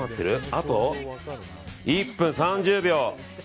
あと１分３０秒。